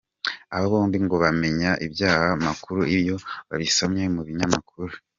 Aba bombi ngo bamenya iby’aya makuru iyo babisomye mu binyamakuru.